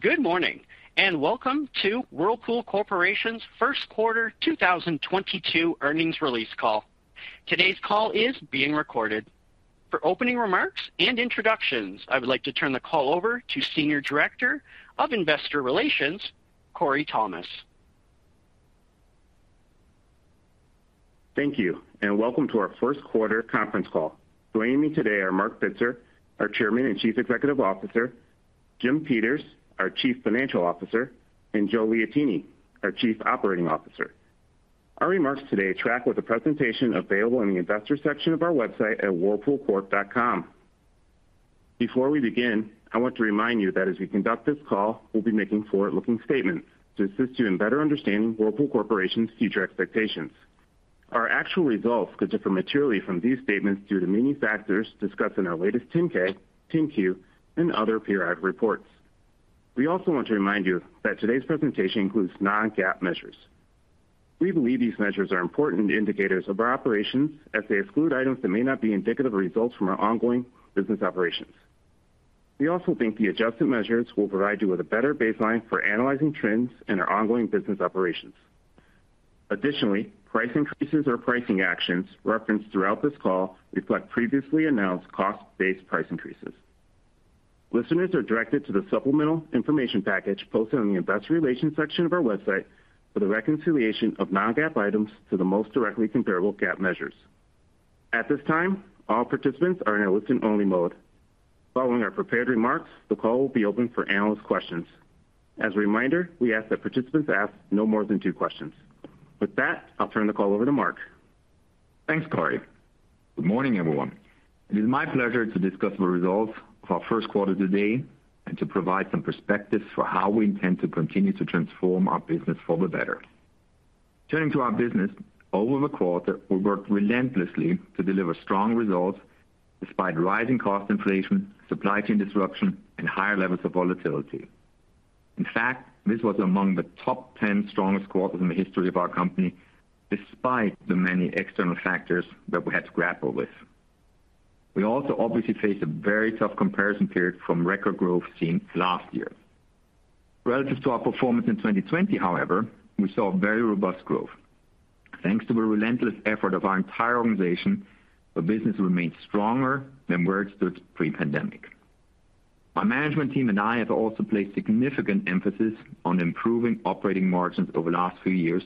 Good morning, and welcome to Whirlpool Corporation's First Quarter 2022 Earnings Release Call. Today's call is being recorded. For opening remarks and introductions, I would like to turn the call over to Senior Director of Investor Relations, Korey Thomas. Thank you, and welcome to our first quarter conference call. Joining me today are Marc Bitzer, our Chairman and Chief Executive Officer, Jim Peters, our Chief Financial Officer, and Joe Liotine, our Chief Operating Officer. Our remarks today track with a presentation available in the investor section of our website at whirlpoolcorp.com. Before we begin, I want to remind you that as we conduct this call, we'll be making forward-looking statements to assist you in better understanding Whirlpool Corporation's future expectations. Our actual results could differ materially from these statements due to many factors discussed in our latest 10-K, 10-Q, and other periodic reports. We also want to remind you that today's presentation includes non-GAAP measures. We believe these measures are important indicators of our operations as they exclude items that may not be indicative of results from our ongoing business operations. We also think the adjusted measures will provide you with a better baseline for analyzing trends in our ongoing business operations. Additionally, price increases or pricing actions referenced throughout this call reflect previously announced cost-based price increases. Listeners are directed to the supplemental information package posted on the investor relations section of our website for the reconciliation of non-GAAP items to the most directly comparable GAAP measures. At this time, all participants are in a listen-only mode. Following our prepared remarks, the call will be open for analyst questions. As a reminder, we ask that participants ask no more than two questions. With that, I'll turn the call over to Marc. Thanks, Korey. Good morning, everyone. It is my pleasure to discuss the results of our first quarter today and to provide some perspective for how we intend to continue to transform our business for the better. Turning to our business, over the quarter, we worked relentlessly to deliver strong results despite rising cost inflation, supply chain disruption, and higher levels of volatility. In fact, this was among the top ten strongest quarters in the history of our company, despite the many external factors that we had to grapple with. We also obviously faced a very tough comparison period from record growth seen last year. Relative to our performance in 2020 however, we saw very robust growth. Thanks to the relentless effort of our entire organization, the business remains stronger than where it stood pre-pandemic. My management team and I have also placed significant emphasis on improving operating margins over the last few years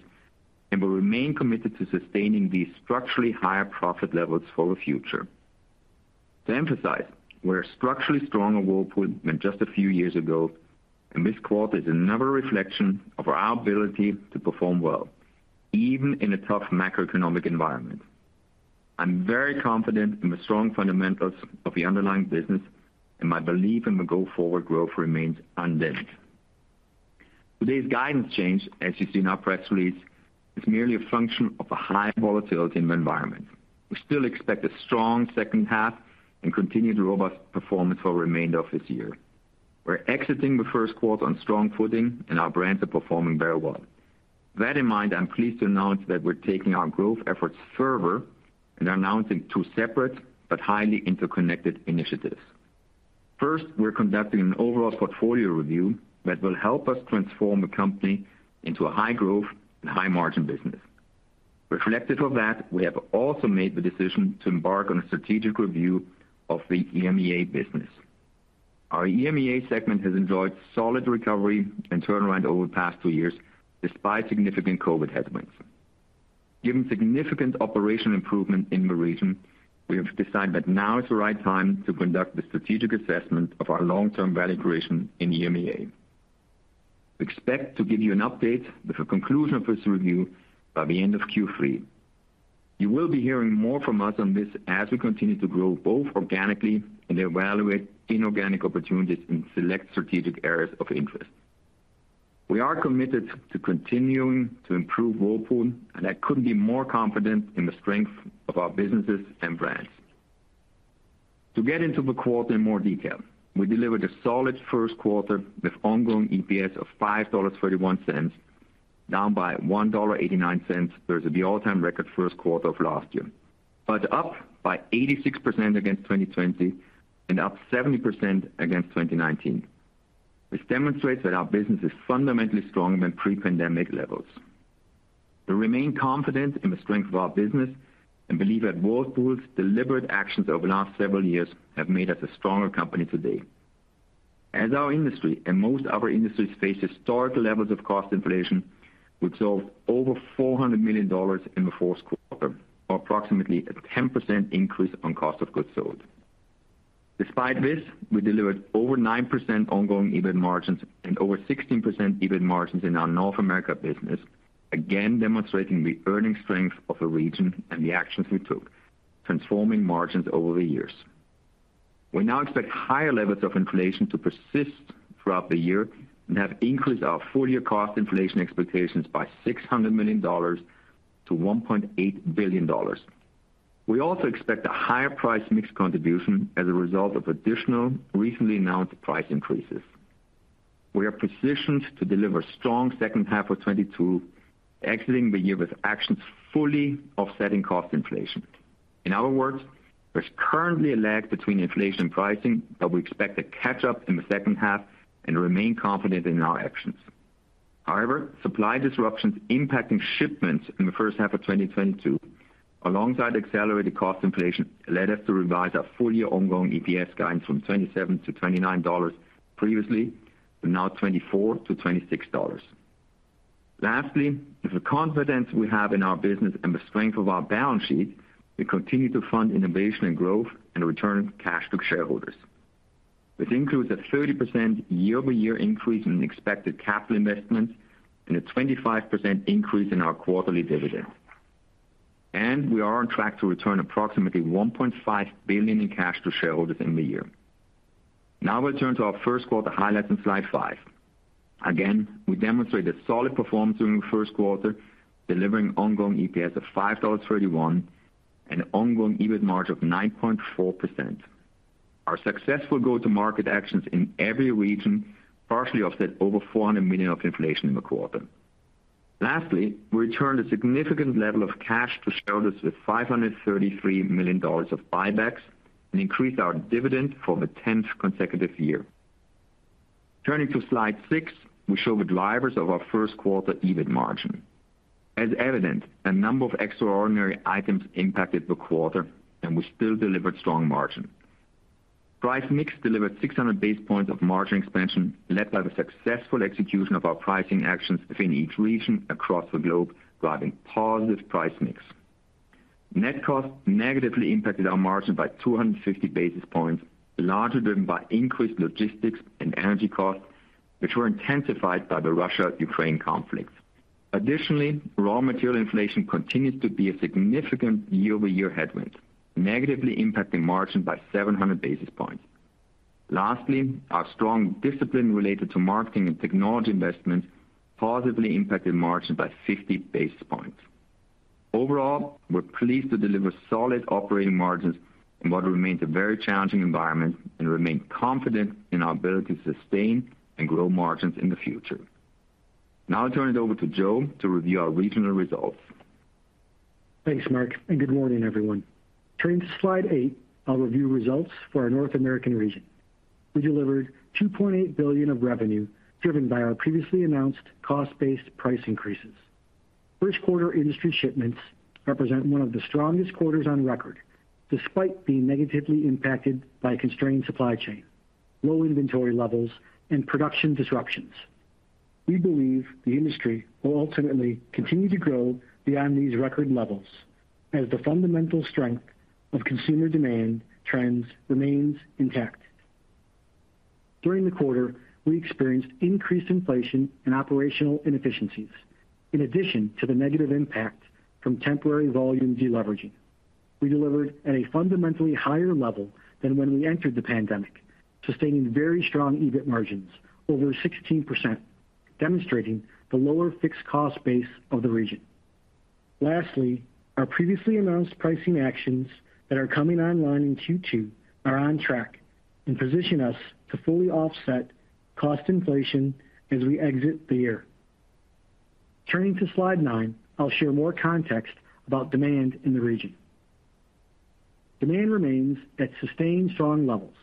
and will remain committed to sustaining these structurally higher profit levels for the future. To emphasize, we're a structurally stronger Whirlpool than just a few years ago, and this quarter is another reflection of our ability to perform well, even in a tough macroeconomic environment. I'm very confident in the strong fundamentals of the underlying business, and my belief in the go-forward growth remains undimmed. Today's guidance change, as you see in our press release, is merely a function of the high volatility in the environment. We still expect a strong second half and continued robust performance for the remainder of this year. We're exiting the first quarter on strong footing, and our brands are performing very well. With that in mind, I'm pleased to announce that we're taking our growth efforts further and announcing two separate but highly interconnected initiatives. First, we're conducting an overall portfolio review that will help us transform the company into a high-growth and high-margin business. Reflective of that, we have also made the decision to embark on a strategic review of the EMEA business. Our EMEA segment has enjoyed solid recovery and turnaround over the past two years, despite significant COVID headwinds. Given significant operational improvement in the region, we have decided that now is the right time to conduct the strategic assessment of our long-term value creation in EMEA. We expect to give you an update with the conclusion of this review by the end of Q3. You will be hearing more from us on this as we continue to grow both organically and evaluate inorganic opportunities in select strategic areas of interest. We are committed to continuing to improve Whirlpool, and I couldn't be more confident in the strength of our businesses and brands. To get into the quarter in more detail, we delivered a solid first quarter with ongoing EPS of $5.31, down by $1.89 versus the all-time record first quarter of last year. Up by 86% against 2020 and up 70% against 2019. This demonstrates that our business is fundamentally stronger than pre-pandemic levels. We remain confident in the strength of our business and believe that Whirlpool's deliberate actions over the last several years have made us a stronger company today. As our industry and most other industries face historical levels of cost inflation, we saw over $400 million in the fourth quarter, or approximately a 10% increase on cost of goods sold. Despite this, we delivered over 9% ongoing EBIT margins and over 16% EBIT margins in our North America business, again demonstrating the earning strength of the region and the actions we took, transforming margins over the years. We now expect higher levels of inflation to persist throughout the year and have increased our full-year cost inflation expectations by $600 million to $1.8 billion. We also expect a higher price mix contribution as a result of additional recently announced price increases. We are positioned to deliver strong second half of 2022. Exiting the year with actions fully offsetting cost inflation. In other words, there's currently a lag between inflation pricing that we expect to catch up in the second half and remain confident in our actions. However, supply disruptions impacting shipments in the first half of 2022, alongside accelerated cost inflation, led us to revise our full-year ongoing EPS guidance from $27-$29 previously to now $24-$26. With the confidence we have in our business and the strength of our balance sheet, we continue to fund innovation and growth and return cash to shareholders. This includes a 30% year-over-year increase in expected capital investments and a 25% increase in our quarterly dividend. We are on track to return approximately $1.5 billion in cash to shareholders in the year. Now we'll turn to our first quarter highlights on slide 5. We demonstrated solid performance during the first quarter, delivering ongoing EPS of $5.31 and ongoing EBIT margin of 9.4%. Our successful go-to-market actions in every region partially offset over $400 million of inflation in the quarter. We returned a significant level of cash to shareholders with $533 million of buybacks and increased our dividend for the 10th consecutive year. Turning to slide 6, we show the drivers of our first quarter EBIT margin. As evidenced, a number of extraordinary items impacted the quarter, and we still delivered strong margin. Price mix delivered 600 basis points of margin expansion, led by the successful execution of our pricing actions within each region across the globe, driving positive price mix. Net costs negatively impacted our margin by 250 basis points, largely driven by increased logistics and energy costs, which were intensified by the Russia-Ukraine conflict. Additionally, raw material inflation continues to be a significant year-over-year headwind, negatively impacting margin by 700 basis points. Lastly, our strong discipline related to marketing and technology investments positively impacted margin by 50 basis points. Overall, we're pleased to deliver solid operating margins in what remains a very challenging environment and remain confident in our ability to sustain and grow margins in the future. Now I turn it over to Joe to review our regional results. Thanks, Marc, and good morning, everyone. Turning to slide 8, I'll review results for our North American region. We delivered $2.8 billion of revenue, driven by our previously announced cost-based price increases. First quarter industry shipments represent one of the strongest quarters on record, despite being negatively impacted by a constrained supply chain, low inventory levels, and production disruptions. We believe the industry will ultimately continue to grow beyond these record levels as the fundamental strength of consumer demand trends remains intact. During the quarter, we experienced increased inflation and operational inefficiencies in addition to the negative impact from temporary volume deleveraging. We delivered at a fundamentally higher level than when we entered the pandemic, sustaining very strong EBIT margins over 16%, demonstrating the lower fixed cost base of the region. Lastly, our previously announced pricing actions that are coming online in Q2 are on track and position us to fully offset cost inflation as we exit the year. Turning to slide 9, I'll share more context about demand in the region. Demand remains at sustained strong levels,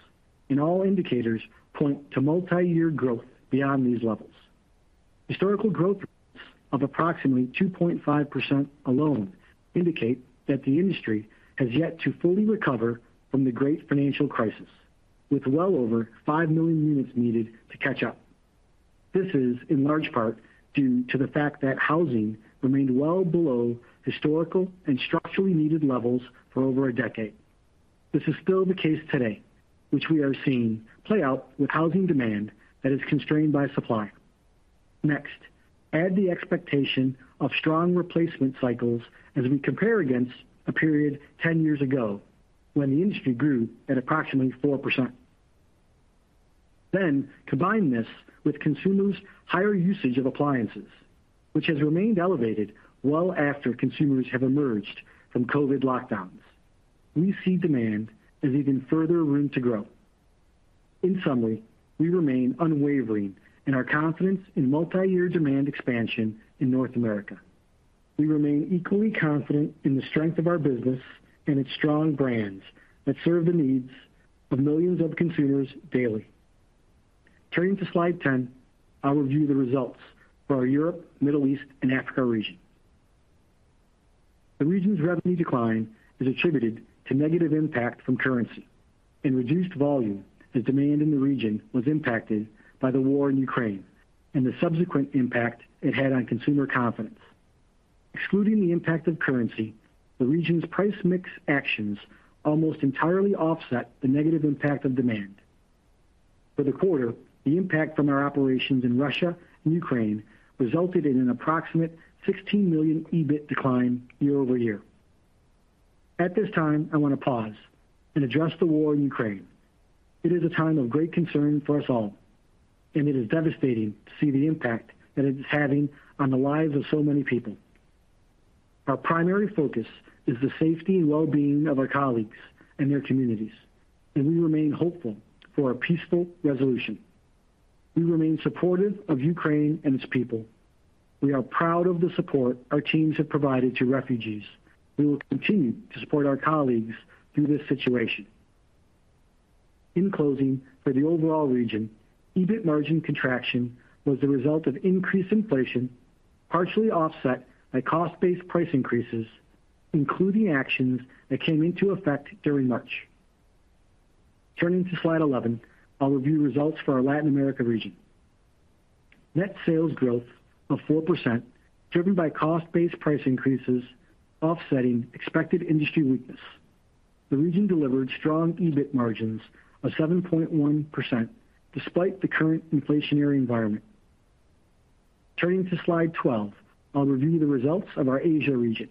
and all indicators point to multiyear growth beyond these levels. Historical growth of approximately 2.5% alone indicate that the industry has yet to fully recover from the great financial crisis, with well over 5 million units needed to catch up. This is in large part due to the fact that housing remained well below historical and structurally needed levels for over a decade. This is still the case today, which we are seeing play out with housing demand that is constrained by supply. Next, add the expectation of strong replacement cycles as we compare against a period 10 years ago when the industry grew at approximately 4%. Combine this with consumers' higher usage of appliances, which has remained elevated well after consumers have emerged from COVID lockdowns. We see even further room to grow. In summary, we remain unwavering in our confidence in multi-year demand expansion in North America. We remain equally confident in the strength of our business and its strong brands that serve the needs of millions of consumers daily. Turning to slide 10, I'll review the results for our Europe, Middle East, and Africa region. The region's revenue decline is attributed to negative impact from currency and reduced volume as demand in the region was impacted by the war in Ukraine and the subsequent impact it had on consumer confidence. Excluding the impact of currency, the region's price mix actions almost entirely offset the negative impact of demand. For the quarter, the impact from our operations in Russia and Ukraine resulted in an approximate $16 million EBIT decline year-over-year. At this time, I want to pause and address the war in Ukraine. It is a time of great concern for us all, and it is devastating to see the impact that it is having on the lives of so many people. Our primary focus is the safety and well-being of our colleagues and their communities, and we remain hopeful for a peaceful resolution. We remain supportive of Ukraine and its people. We are proud of the support our teams have provided to refugees. We will continue to support our colleagues through this situation. In closing, for the overall region, EBIT margin contraction was the result of increased inflation, partially offset by cost-based price increases, including actions that came into effect during March. Turning to slide 11, I'll review results for our Latin America region. Net sales growth of 4%, driven by cost-based price increases offsetting expected industry weakness. The region delivered strong EBIT margins of 7.1% despite the current inflationary environment. Turning to slide 12, I'll review the results of our Asia region.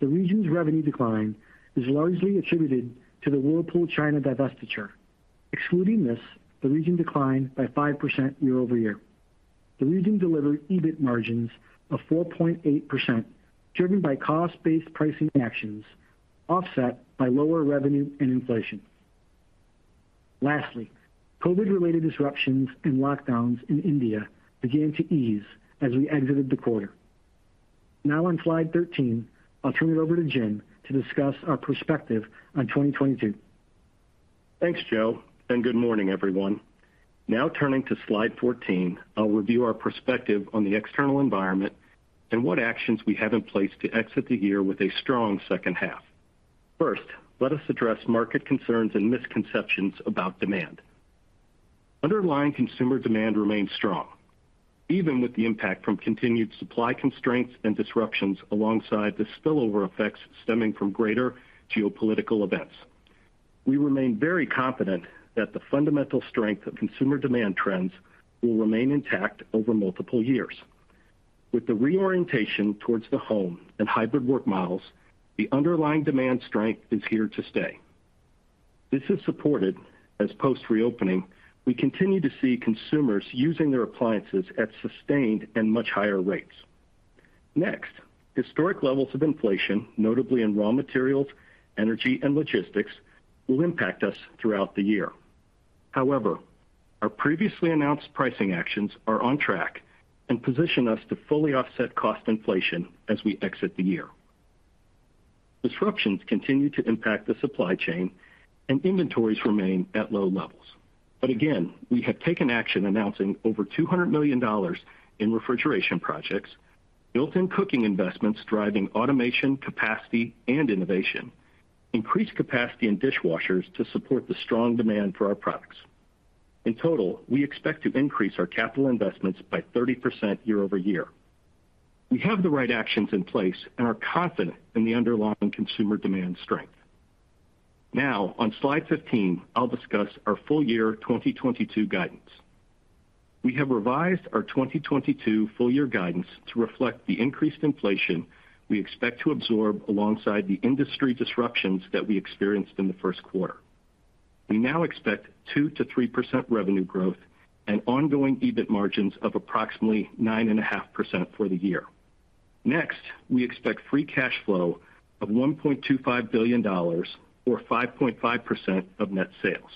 The region's revenue decline is largely attributed to the Whirlpool China divestiture. Excluding this, the region declined by 5% year-over-year. The region delivered EBIT margins of 4.8%, driven by cost-based pricing actions offset by lower revenue and inflation. Lastly, COVID-related disruptions and lockdowns in India began to ease as we exited the quarter. Now on slide 13, I'll turn it over to Jim to discuss our perspective on 2022. Thanks, Joe, and good morning, everyone. Now turning to slide 14, I'll review our perspective on the external environment and what actions we have in place to exit the year with a strong second half. First, let us address market concerns and misconceptions about demand. Underlying consumer demand remains strong, even with the impact from continued supply constraints and disruptions alongside the spillover effects stemming from greater geopolitical events. We remain very confident that the fundamental strength of consumer demand trends will remain intact over multiple years. With the reorientation towards the home and hybrid work models, the underlying demand strength is here to stay. This is supported as post-reopening, we continue to see consumers using their appliances at sustained and much higher rates. Next, historic levels of inflation, notably in raw materials, energy, and logistics, will impact us throughout the year. However, our previously announced pricing actions are on track and position us to fully offset cost inflation as we exit the year. Disruptions continue to impact the supply chain and inventories remain at low levels. Again, we have taken action announcing $200 million in refrigeration projects, built-in cooking investments driving automation, capacity, and innovation, increased capacity in dishwashers to support the strong demand for our products. In total, we expect to increase our capital investments by 30% year-over-year. We have the right actions in place and are confident in the underlying consumer demand strength. Now on slide 15, I'll discuss our full year 2022 guidance. We have revised our 2022 full year guidance to reflect the increased inflation we expect to absorb alongside the industry disruptions that we experienced in the first quarter. We now expect 2%-3% revenue growth and ongoing EBIT margins of approximately 9.5% for the year. Next, we expect free cash flow of $1.25 billion or 5.5% of net sales.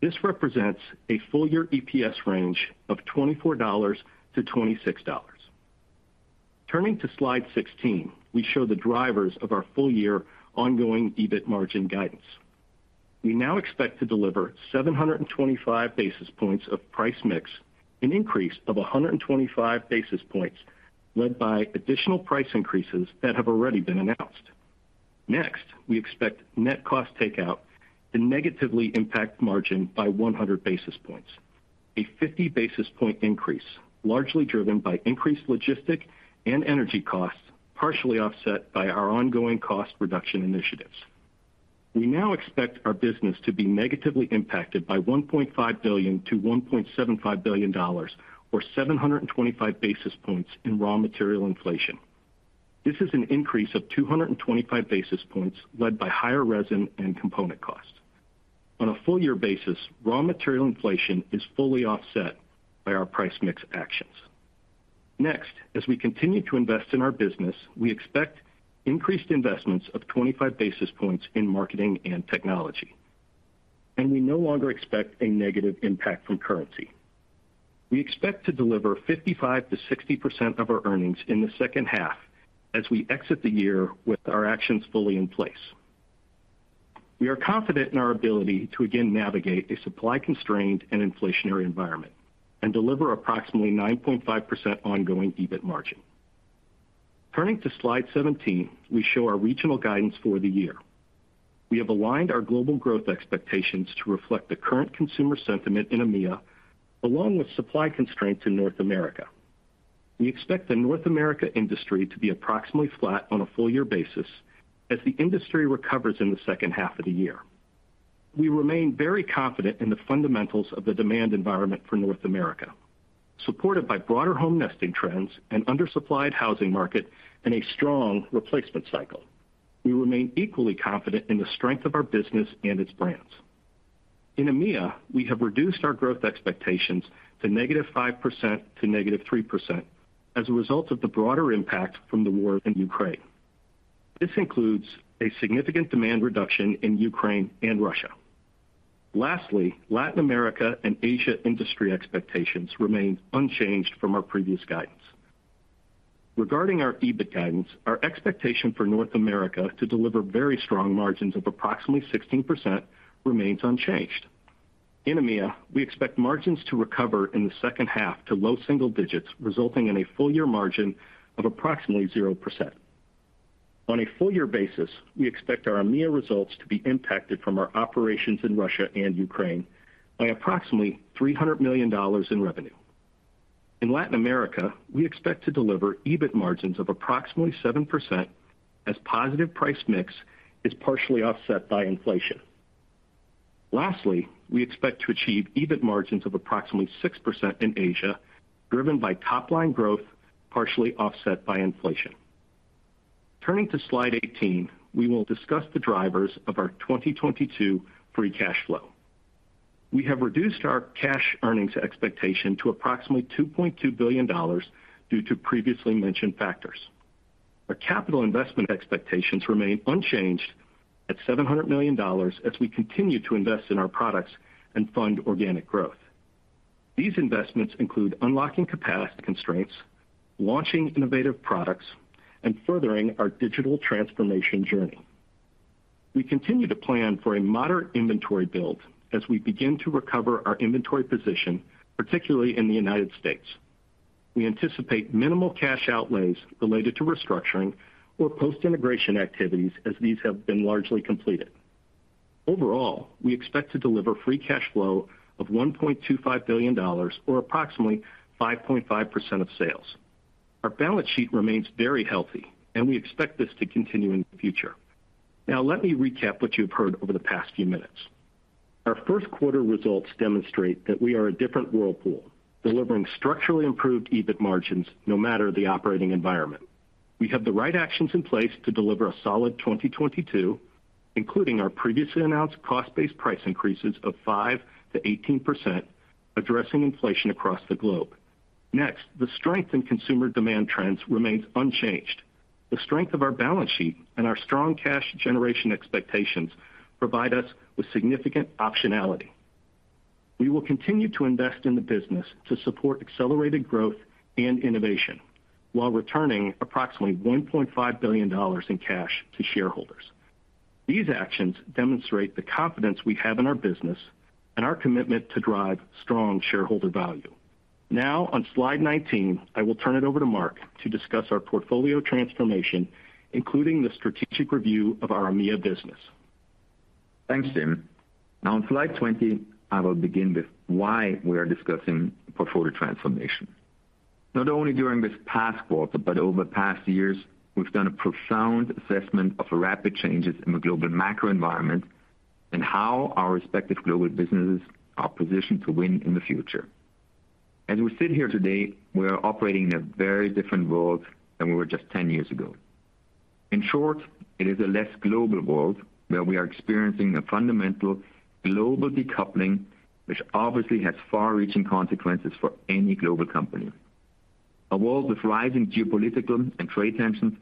This represents a full-year EPS range of $24-$26. Turning to slide 16, we show the drivers of our full-year ongoing EBIT margin guidance. We now expect to deliver 725 basis points of price mix, an increase of 125 basis points led by additional price increases that have already been announced. Next, we expect net cost takeout to negatively impact margin by 100 basis points, a 50 basis point increase largely driven by increased logistics and energy costs, partially offset by our ongoing cost reduction initiatives. We now expect our business to be negatively impacted by $1.5 billion-$1.75 billion or 725 basis points in raw material inflation. This is an increase of 225 basis points led by higher resin and component costs. On a full year basis, raw material inflation is fully offset by our price mix actions. Next, as we continue to invest in our business, we expect increased investments of 25 basis points in marketing and technology, and we no longer expect a negative impact from currency. We expect to deliver 55%-60% of our earnings in the second half as we exit the year with our actions fully in place. We are confident in our ability to again navigate a supply constrained and inflationary environment and deliver approximately 9.5% ongoing EBIT margin. Turning to slide 17, we show our regional guidance for the year. We have aligned our global growth expectations to reflect the current consumer sentiment in EMEA, along with supply constraints in North America. We expect the North America industry to be approximately flat on a full year basis as the industry recovers in the second half of the year. We remain very confident in the fundamentals of the demand environment for North America, supported by broader home nesting trends, an undersupplied housing market, and a strong replacement cycle. We remain equally confident in the strength of our business and its brands. In EMEA, we have reduced our growth expectations to -5% to -3% as a result of the broader impact from the war in Ukraine. This includes a significant demand reduction in Ukraine and Russia. Lastly, Latin America and Asia industry expectations remain unchanged from our previous guidance. Regarding our EBIT guidance, our expectation for North America to deliver very strong margins of approximately 16% remains unchanged. In EMEA, we expect margins to recover in the second half to low single digits, resulting in a full-year margin of approximately 0%. On a full-year basis, we expect our EMEA results to be impacted from our operations in Russia and Ukraine by approximately $300 million in revenue. In Latin America, we expect to deliver EBIT margins of approximately 7% as positive price mix is partially offset by inflation. Lastly, we expect to achieve EBIT margins of approximately 6% in Asia, driven by top-line growth, partially offset by inflation. Turning to slide 18, we will discuss the drivers of our 2022 free cash flow. We have reduced our cash earnings expectation to approximately $2.2 billion due to previously mentioned factors. Our capital investment expectations remain unchanged at $700 million as we continue to invest in our products and fund organic growth. These investments include unlocking capacity constraints, launching innovative products, and furthering our digital transformation journey. We continue to plan for a moderate inventory build as we begin to recover our inventory position, particularly in the United States. We anticipate minimal cash outlays related to restructuring or post-integration activities as these have been largely completed. Overall, we expect to deliver free cash flow of $1.25 billion or approximately 5.5% of sales. Our balance sheet remains very healthy, and we expect this to continue in the future. Now let me recap what you've heard over the past few minutes. Our first quarter results demonstrate that we are a different Whirlpool, delivering structurally improved EBIT margins no matter the operating environment. We have the right actions in place to deliver a solid 2022, including our previously announced cost-based price increases of 5%-18%, addressing inflation across the globe. Next, the strength in consumer demand trends remains unchanged. The strength of our balance sheet and our strong cash generation expectations provide us with significant optionality. We will continue to invest in the business to support accelerated growth and innovation while returning approximately $1.5 billion in cash to shareholders. These actions demonstrate the confidence we have in our business and our commitment to drive strong shareholder value. Now on slide 19, I will turn it over to Marc to discuss our portfolio transformation, including the strategic review of our EMEA business. Thanks, Jim. Now on slide 20, I will begin with why we are discussing portfolio transformation. Not only during this past quarter, but over past years, we've done a profound assessment of rapid changes in the global macro environment and how our respective global businesses are positioned to win in the future. As we sit here today, we are operating in a very different world than we were just 10 years ago. In short, it is a less global world where we are experiencing a fundamental global decoupling, which obviously has far-reaching consequences for any global company. A world with rising geopolitical and trade tensions,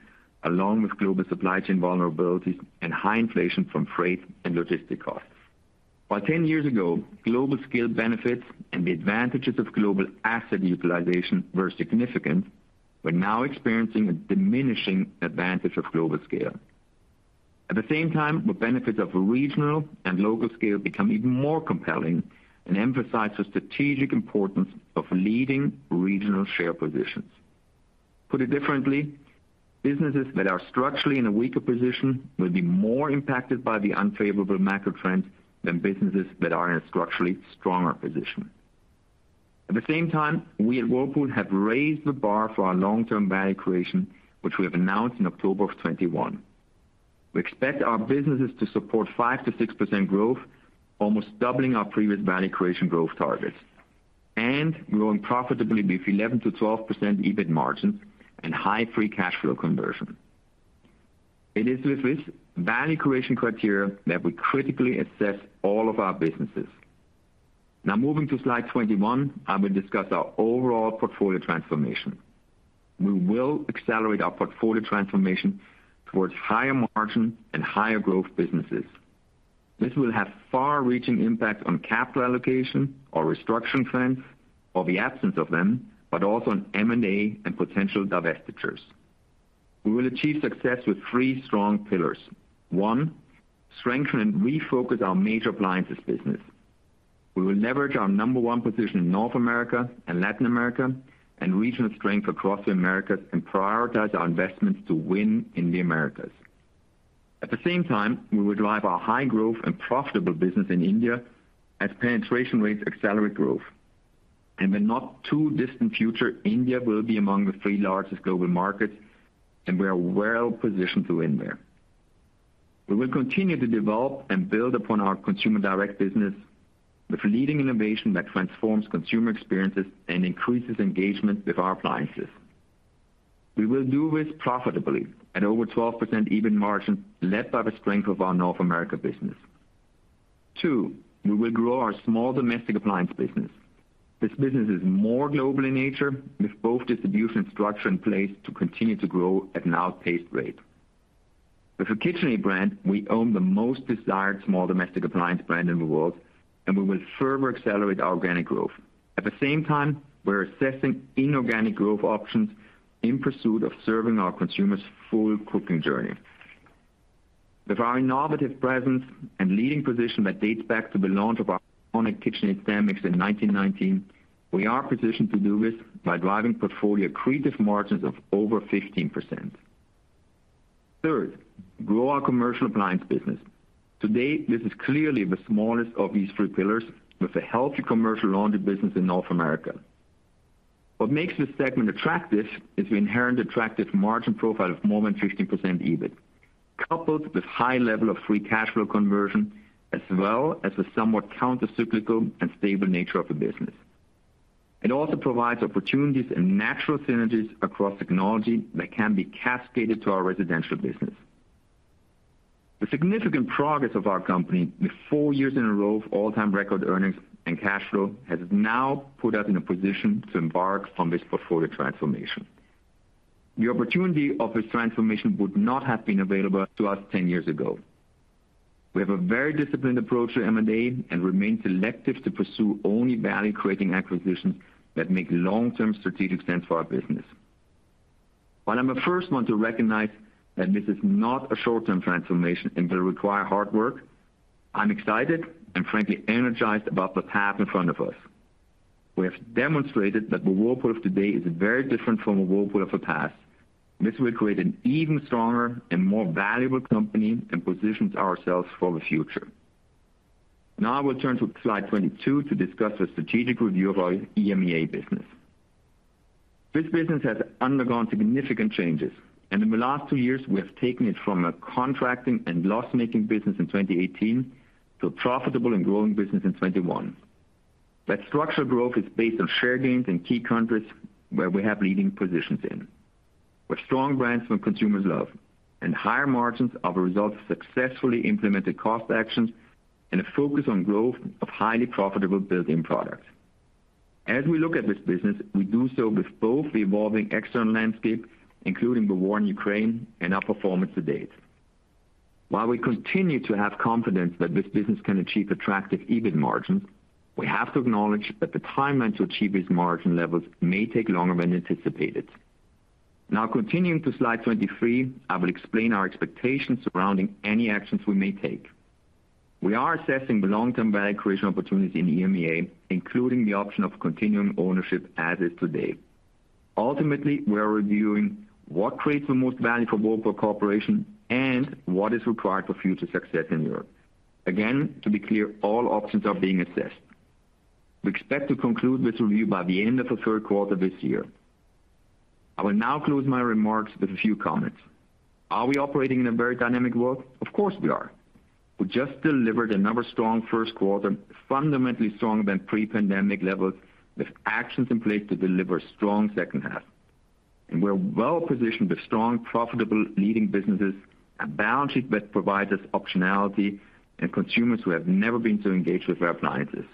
along with global supply chain vulnerabilities and high inflation from freight and logistic costs. While 10 years ago, global scale benefits and the advantages of global asset utilization were significant, we're now experiencing a diminishing advantage of global scale. At the same time, the benefits of regional and local scale become even more compelling and emphasize the strategic importance of leading regional share positions. Put it differently, businesses that are structurally in a weaker position will be more impacted by the unfavorable macro trends than businesses that are in a structurally stronger position. At the same time, we at Whirlpool have raised the bar for our long-term value creation, which we have announced in October of 2021. We expect our businesses to support 5%-6% growth, almost doubling our previous value creation growth targets, and growing profitability with 11%-12% EBIT margins and high free cash flow conversion. It is with this value creation criteria that we critically assess all of our businesses. Now moving to slide 21, I will discuss our overall portfolio transformation. We will accelerate our portfolio transformation towards higher margin and higher growth businesses. This will have far-reaching impact on capital allocation or restructuring trends, or the absence of them, but also on M&A and potential divestitures. We will achieve success with 3 strong pillars. 1, strengthen and refocus our major appliances business. We will leverage our number 1 position in North America and Latin America and regional strength across the Americas and prioritize our investments to win in the Americas. At the same time, we will drive our high growth and profitable business in India as penetration rates accelerate growth. In the not too distant future, India will be among the 3 largest global markets, and we are well positioned to win there. We will continue to develop and build upon our consumer direct business with leading innovation that transforms consumer experiences and increases engagement with our appliances. We will do this profitably at over 12% EBIT margin, led by the strength of our North America business. Two, we will grow our small domestic appliance business. This business is more global in nature, with the distribution structure in place to continue to grow at an outpaced rate. With the KitchenAid brand, we own the most desired small domestic appliance brand in the world, and we will further accelerate our organic growth. At the same time, we're assessing inorganic growth options in pursuit of serving our consumer's full cooking journey. With our innovative presence and leading position that dates back to the launch of our iconic KitchenAid Stand Mixer in 1919, we are positioned to do this by driving portfolio accretive margins of over 15%. Third, grow our commercial appliance business. Today, this is clearly the smallest of these three pillars, with a healthy commercial laundry business in North America. What makes this segment attractive is the inherent attractive margin profile of more than 15% EBIT, coupled with high level of free cash flow conversion, as well as the somewhat countercyclical and stable nature of the business. It also provides opportunities and natural synergies across technology that can be cascaded to our residential business. The significant progress of our company with 4 years in a row of all-time record earnings and cash flow has now put us in a position to embark on this portfolio transformation. The opportunity of this transformation would not have been available to us 10 years ago. We have a very disciplined approach to M&A and remain selective to pursue only value-creating acquisitions that make long-term strategic sense for our business. While I'm the first one to recognize that this is not a short-term transformation and will require hard work, I'm excited and frankly energized about the path in front of us. We have demonstrated that the Whirlpool of today is very different from the Whirlpool of the past. This will create an even stronger and more valuable company and positions ourselves for the future. Now I will turn to slide 22 to discuss the strategic review of our EMEA business. This business has undergone significant changes, and in the last two years, we have taken it from a contracting and loss-making business in 2018 to a profitable and growing business in 2021. That structural growth is based on share gains in key countries where we have leading positions in, with strong brands that consumers love and higher margins are the result of successfully implemented cost actions and a focus on growth of highly profitable built-in products. As we look at this business, we do so with both the evolving external landscape, including the war in Ukraine and our performance to date. While we continue to have confidence that this business can achieve attractive EBIT margins, we have to acknowledge that the timeline to achieve these margin levels may take longer than anticipated. Now continuing to slide 23, I will explain our expectations surrounding any actions we may take. We are assessing the long-term value creation opportunities in EMEA, including the option of continuing ownership as is today. Ultimately, we are reviewing what creates the most value for Whirlpool Corporation and what is required for future success in Europe. Again, to be clear, all options are being assessed. We expect to conclude this review by the end of the third quarter this year. I will now close my remarks with a few comments. Are we operating in a very dynamic world? Of course, we are. We just delivered another strong first quarter, fundamentally stronger than pre-pandemic levels, with actions in place to deliver strong second half. We're well positioned with strong, profitable leading businesses, a balance sheet that provides us optionality, and consumers who have never been so engaged with their appliances.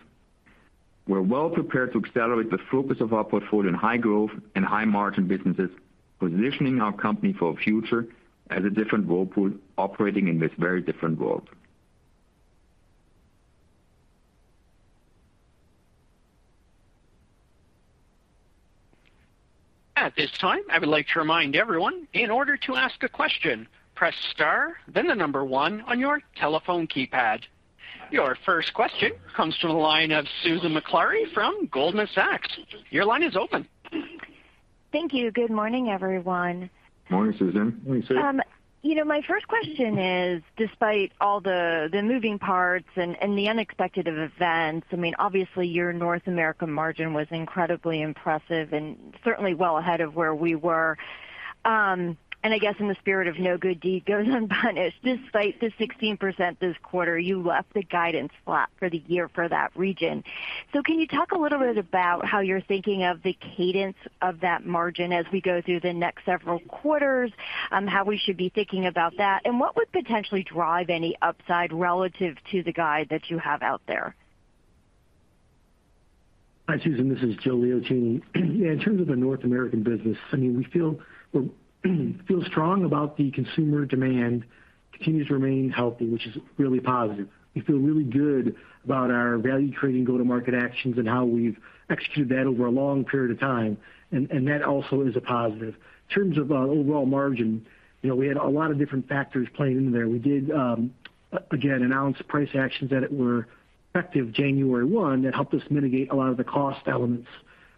We're well prepared to accelerate the focus of our portfolio in high growth and high margin businesses, positioning our company for a future as a different Whirlpool operating in this very different world. At this time, I would like to remind everyone, in order to ask a question, press star then the number one on your telephone keypad. Your first question comes from the line of Susan Maklari from Goldman Sachs. Your line is open. Thank you. Good morning, everyone. Morning, Susan. Morning, Susan. you know, my first question is, despite all the moving parts and the unexpected events, I mean, obviously, your North America margin was incredibly impressive and certainly well ahead of where we were. I guess in the spirit of no good deed goes unpunished, despite the 16% this quarter, you left the guidance flat for the year for that region. Can you talk a little bit about how you're thinking of the cadence of that margin as we go through the next several quarters? How we should be thinking about that? What would potentially drive any upside relative to the guide that you have out there? Hi, Susan, this is Joe Liotine. In terms of the North American business, I mean, we feel strong about the consumer demand continues to remain healthy, which is really positive. We feel really good about our value creating go-to-market actions and how we've executed that over a long period of time, and that also is a positive. In terms of overall margin, you know, we had a lot of different factors playing in there. We did again announce price actions that were effective January 1 that helped us mitigate a lot of the cost elements.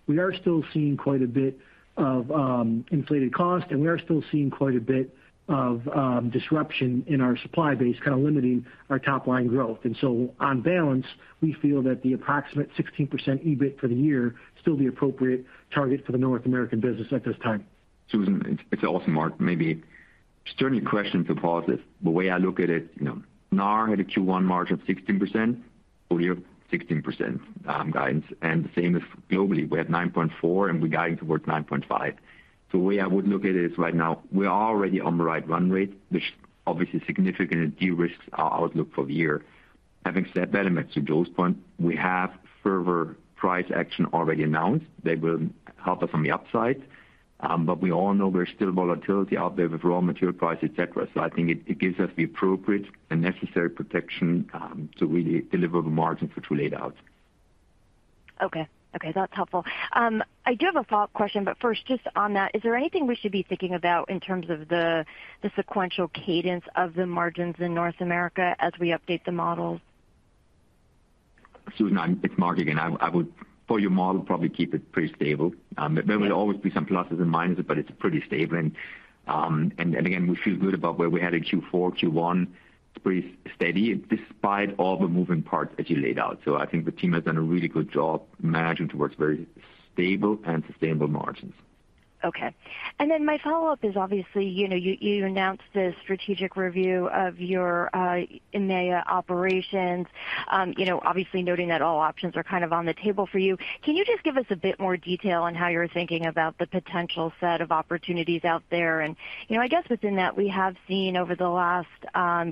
We are still seeing quite a bit of inflated cost, and we are still seeing quite a bit of disruption in our supply base, kind of limiting our top line growth. On balance, we feel that the approximate 16% EBIT for the year is still the appropriate target for the North American business at this time. Susan, it's also Marc. Maybe a certain question to pose this. The way I look at it, you know, NAR had a Q1 margin of 16%, full year 16% guidance, and the same as globally. We had 9.4% and we're guiding towards 9.5%. The way I would look at it is right now, we are already on the right run rate, which obviously significantly de-risks our outlook for the year. Having said that, and back to Joe's point, we have further price action already announced that will help us on the upside. But we all know there's still volatility out there with raw material prices, et cetera. I think it gives us the appropriate and necessary protection to really deliver the margin for the year laid out. Okay. Okay, that's helpful. I do have a follow-up question, but first, just on that, is there anything we should be thinking about in terms of the sequential cadence of the margins in North America as we update the models? Susan, it's Marc again. I would, for your model, probably keep it pretty stable. There will always be some pluses and minuses, but it's pretty stable. We feel good about where we had a Q4, Q1. It's pretty steady despite all the moving parts as you laid out. I think the team has done a really good job managing towards very stable and sustainable margins. Okay. Then my follow-up is obviously, you know, you announced a strategic review of your EMEA operations, you know, obviously noting that all options are kind of on the table for you. Can you just give us a bit more detail on how you're thinking about the potential set of opportunities out there? You know, I guess within that, we have seen over the last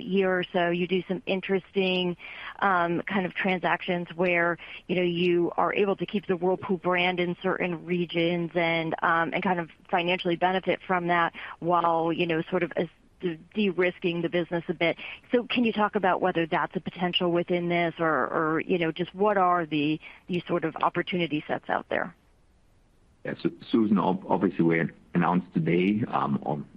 year or so, you do some interesting kind of transactions where, you know, you are able to keep the Whirlpool brand in certain regions and kind of financially benefit from that while, you know, sort of as de-risking the business a bit. Can you talk about whether that's a potential within this or, you know, just what are the sort of opportunity sets out there? Yeah. Susan, obviously, we announced today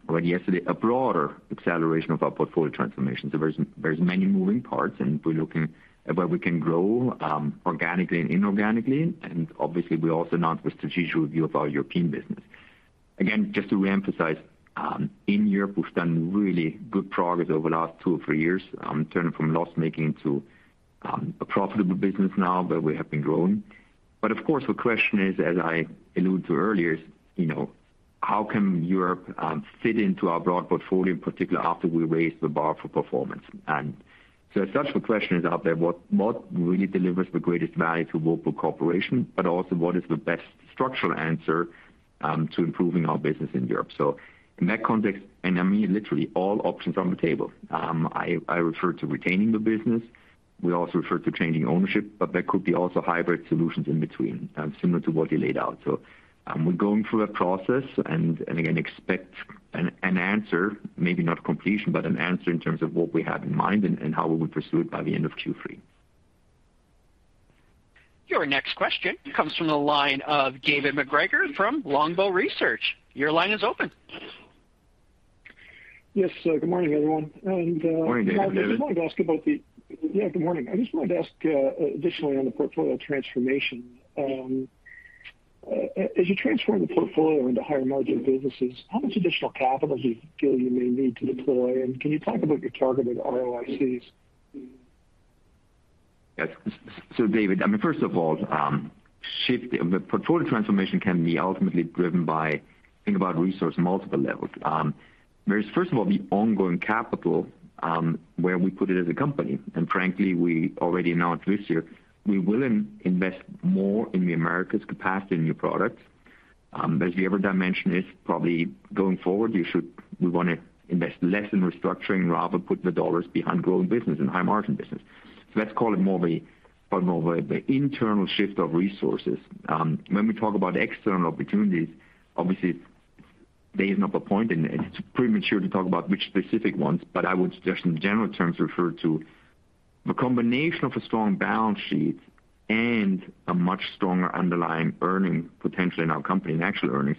or yesterday a broader acceleration of our portfolio transformation. There's many moving parts, and we're looking at where we can grow organically and inorganically. Obviously, we also announced a strategic review of our European business. Again, just to reemphasize, in Europe, we've done really good progress over the last two or three years turning from loss-making to a profitable business now, where we have been growing. Of course, the question is, as I alluded to earlier, you know, how can Europe fit into our broad portfolio, in particular, after we raise the bar for performance? Such a question is out there, what really delivers the greatest value to Whirlpool Corporation, but also what is the best structural answer to improving our business in Europe. In that context, I mean, literally all options on the table. I refer to retaining the business. We also refer to changing ownership, but there could be also hybrid solutions in between, similar to what you laid out. We're going through that process and again expect an answer, maybe not completion, but an answer in terms of what we have in mind and how we would pursue it by the end of Q3. Your next question comes from the line of David MacGregor from Longbow Research. Your line is open. Yes. Good morning, everyone. Good morning, David. Good morning. I just wanted to ask additionally on the portfolio transformation. As you transform the portfolio into higher margin businesses, how much additional capital do you feel you may need to deploy? And can you talk about your targeted ROICs? Yes. So David, I mean, first of all, the portfolio transformation can be ultimately driven by, think about resource multiple levels. There's first of all, the ongoing capital, where we put it as a company. Frankly, we already announced this year, we will invest more in the Americas capacity, new products. As the other dimension is probably going forward, we wanna invest less in restructuring, rather put the dollars behind growing business and high margin business. Let's call it more of a internal shift of resources. When we talk about external opportunities, obviously, David brought a point and it's premature to talk about which specific ones, but I would suggest in general terms refer to the combination of a strong balance sheet and a much stronger underlying earning potential in our company and actual earnings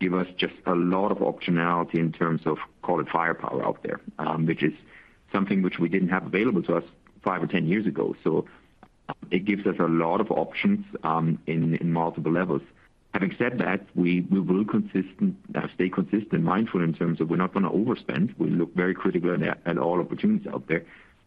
give us just a lot of optionality in terms of call it firepower out there, which is something which we didn't have available to us five or ten years ago. It gives us a lot of options, in multiple levels. Having said that, we will stay consistent, mindful in terms of we're not gonna overspend. We look very critically at all opportunities out there.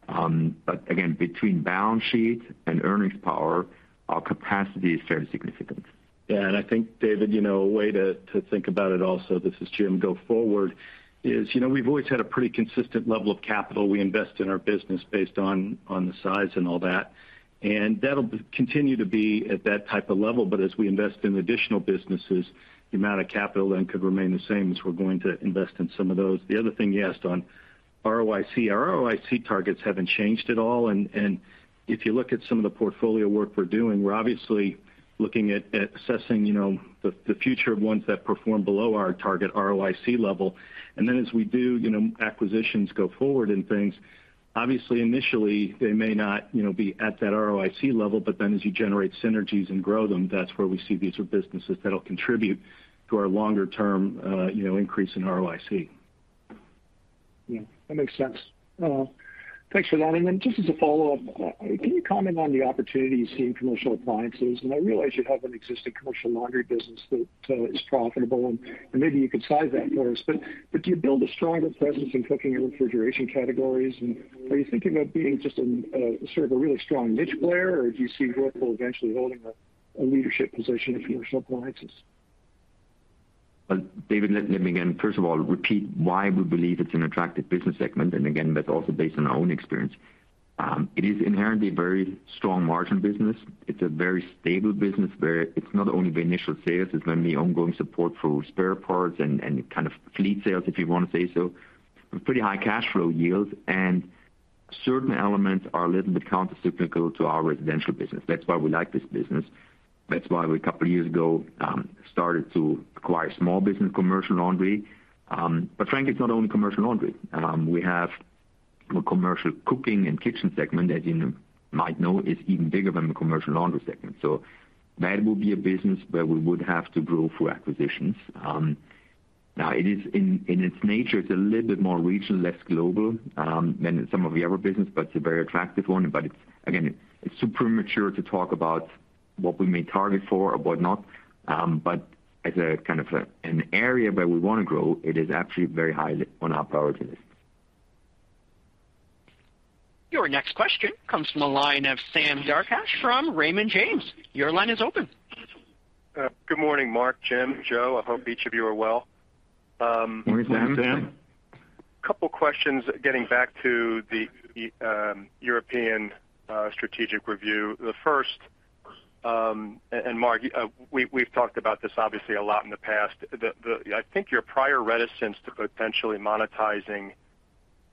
But again, between balance sheet and earnings power, our capacity is very significant. Yeah. I think, David, you know, a way to think about it also. This is Jim. Going forward is, you know, we've always had a pretty consistent level of capital we invest in our business based on the size and all that. That'll continue to be at that type of level. As we invest in additional businesses, the amount of capital then could remain the same as we're going to invest in some of those. The other thing you asked on ROIC. Our ROIC targets haven't changed at all. If you look at some of the portfolio work we're doing, we're obviously looking at assessing, you know, the future of ones that perform below our target ROIC level. As we do, you know, acquisitions go forward and things, obviously, initially, they may not, you know, be at that ROIC level, but then as you generate synergies and grow them, that's where we see these are businesses that'll contribute to our longer term, you know, increase in ROIC. Yeah, that makes sense. Thanks for that. Just as a follow-up, can you comment on the opportunities in commercial appliances? I realize you have an existing commercial laundry business that is profitable, and maybe you could size that for us. Do you build a stronger presence in cooking and refrigeration categories? Are you thinking about being just an sort of a really strong niche player, or do you see Whirlpool eventually holding a leadership position in commercial appliances? Well, David, let me again, first of all, repeat why we believe it's an attractive business segment, and again, that's also based on our own experience. It is inherently a very strong margin business. It's a very stable business where it's not only the initial sales, it's going to be ongoing support for spare parts and kind of fleet sales, if you want to say so. Pretty high cash flow yields and certain elements are a little bit countercyclical to our residential business. That's why we like this business. That's why we, a couple of years ago, started to acquire small business commercial laundry. But frankly, it's not only commercial laundry. We have a commercial cooking and kitchen segment that you might know is even bigger than the commercial laundry segment. So that will be a business where we would have to grow through acquisitions. In its nature, it's a little bit more regional, less global than some of the other business, but it's a very attractive one. It's somewhat premature to talk about what we may target for or whatnot. As a kind of an area where we want to grow, it is actually very high on our priority list. Your next question comes from the line of Sam Darkatsh from Raymond James. Your line is open. Good morning, Marc, Jim, Joe. I hope each of you are well. Morning, Sam. Couple questions. Getting back to the European strategic review. The first, and Marc, we've talked about this obviously a lot in the past. I think your prior reticence to potentially monetizing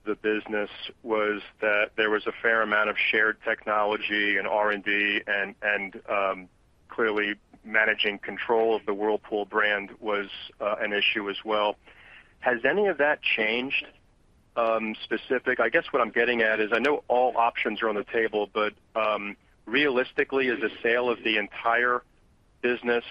the business was that there was a fair amount of shared technology and R&D and clearly managing control of the Whirlpool brand was an issue as well. Has any of that changed, specifically? I guess what I'm getting at is I know all options are on the table, but realistically, is the sale of the entire business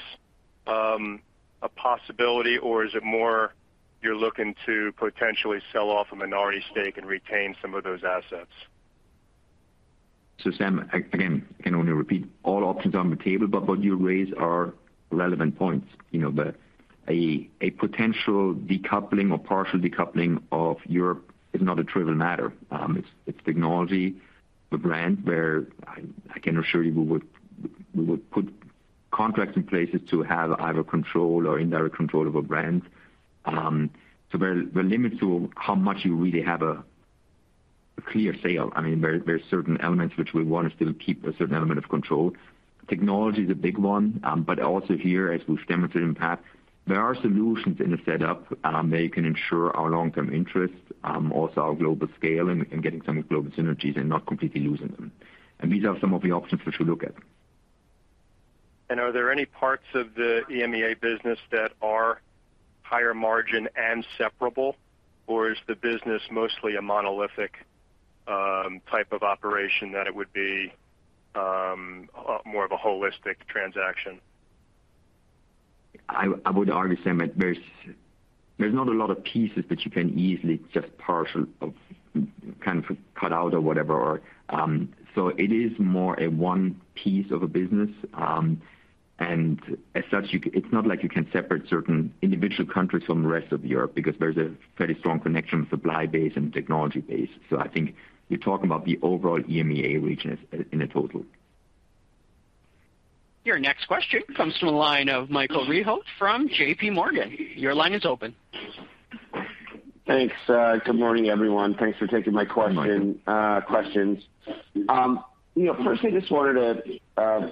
a possibility, or is it more you're looking to potentially sell off a minority stake and retain some of those assets? Sam, again, I can only repeat all options on the table, but what you raise are relevant points. You know, a potential decoupling or partial decoupling of Europe is not a trivial matter. It's technology, the brand where I can assure you we would put contracts in places to have either control or indirect control of a brand. So there are limits to how much you really have a clear sale. I mean, there are certain elements which we want to still keep a certain element of control. Technology is a big one. But also here, as we've demonstrated in the past, there are solutions in the setup that you can ensure our long-term interests, also our global scale and getting some global synergies and not completely losing them. These are some of the options which we look at. Are there any parts of the EMEA business that are higher margin and separable, or is the business mostly a monolithic type of operation that it would be more of a holistic transaction? I would argue, Sam, there's not a lot of pieces that you can easily just kind of cut out or whatever. It is more a one piece of a business. As such, it's not like you can separate certain individual countries from the rest of Europe because there's a fairly strong connection, supply base and technology base. I think you're talking about the overall EMEA region as in a total. Your next question comes from the line of Michael Rehaut from J.P. Morgan. Your line is open. Thanks. Good morning, everyone. Thanks for taking my question. Good morning. Questions. You know, first I just wanted to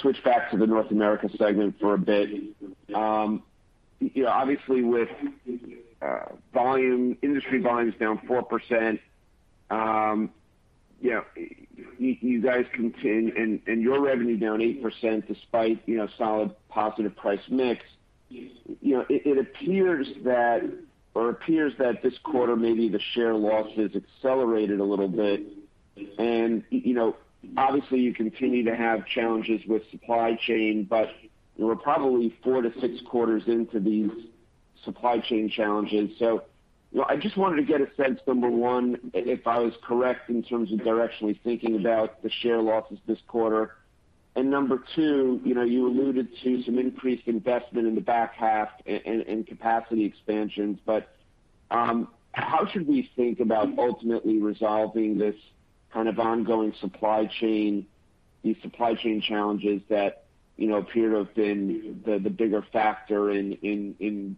switch back to the North America segment for a bit. You know, obviously with volume, industry volumes down 4%, and your revenue down 8% despite solid positive price mix. You know, it appears that this quarter, maybe the share losses accelerated a little bit. You know, obviously you continue to have challenges with supply chain, but we're probably 4 to 6 quarters into these supply chain challenges. You know, I just wanted to get a sense, number one, if I was correct in terms of directionally thinking about the share losses this quarter. Number two, you know, you alluded to some increased investment in the back half and capacity expansions. How should we think about ultimately resolving this kind of ongoing supply chain, these supply chain challenges that, you know, appear to have been the bigger factor in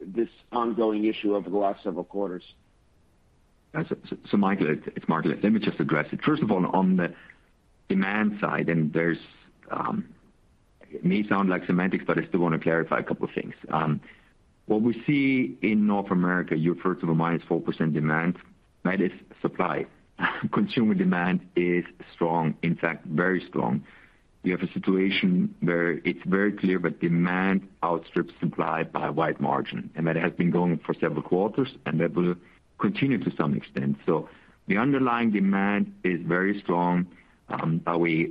this ongoing issue over the last several quarters? Michael, it's Marc. Let me just address it. First of all, on the demand side, it may sound like semantics, but I still want to clarify a couple of things. What we see in North America, you referred to the -4% demand. That is supply. Consumer demand is strong, in fact, very strong. We have a situation where it's very clear that demand outstrips supply by a wide margin, and that has been going for several quarters, and that will continue to some extent. The underlying demand is very strong. But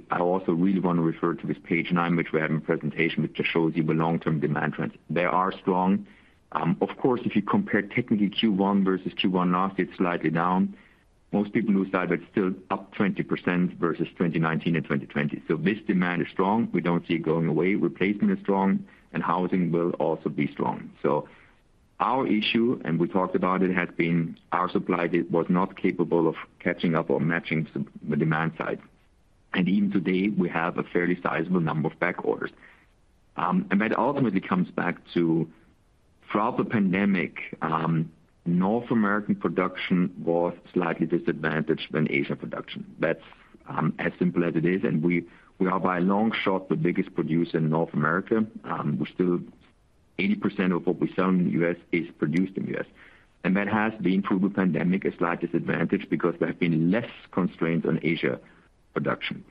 I also really want to refer to this page 9, which we have in presentation, which just shows you the long-term demand trends. They are strong. Of course, if you compare technically Q1 versus Q1 last year, it's slightly down. Most people lose that, but still up 20% versus 2019 and 2020. This demand is strong. We don't see it going away. Replacement is strong and housing will also be strong. Our issue, and we talked about it, has been our supply was not capable of catching up or matching the demand side. Even today, we have a fairly sizable number of back orders. That ultimately comes back to throughout the pandemic, North American production was slightly disadvantaged than Asia production. That's as simple as it is, and we are by a long shot, the biggest producer in North America. We're still 80% of what we sell in the U.S. is produced in U.S. That has been through the pandemic a slight disadvantage because there have been less constraints on Asia production.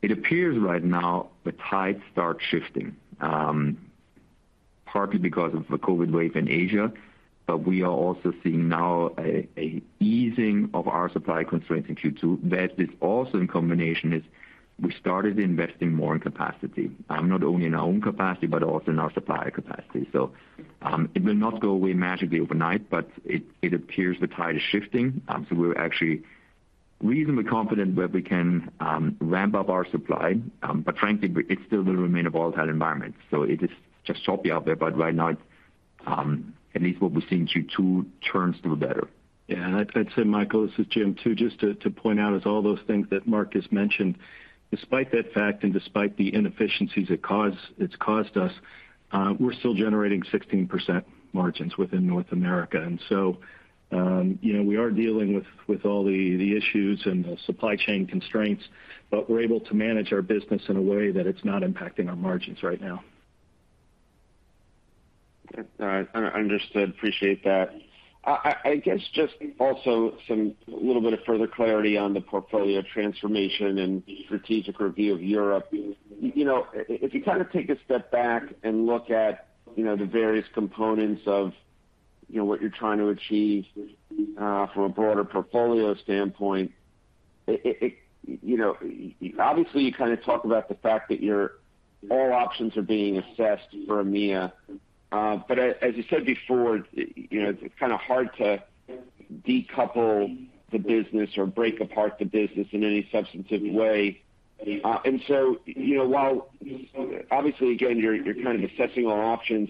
It appears right now the tides start shifting, partly because of the COVID wave in Asia, but we are also seeing now an easing of our supply constraints in Q2, whereas this also in combination is we started investing more in capacity, not only in our own capacity, but also in our supplier capacity. It will not go away magically overnight, but it appears the tide is shifting. We're actually reasonably confident that we can ramp up our supply. But frankly, it still will remain a volatile environment, so it is just choppy out there. Right now, at least what we see in Q2 turns to the better. Yeah. I'd say, Michael, this is Jim, too, just to point out all those things that Marc has mentioned. Despite that fact and despite the inefficiencies it's caused us, we're still generating 16% margins within North America. You know, we are dealing with all the issues and the supply chain constraints, but we're able to manage our business in a way that it's not impacting our margins right now. All right. Understood. Appreciate that. I guess just also a little bit of further clarity on the portfolio transformation and strategic review of Europe. You know, if you kind of take a step back and look at, you know, the various components of, you know, what you're trying to achieve, from a broader portfolio standpoint, it you know. Obviously, you kind of talk about the fact that all options are being assessed for EMEA, but as you said before, you know, it's kind of hard to decouple the business or break apart the business in any substantive way. You know, while obviously, again, you're kind of assessing all options,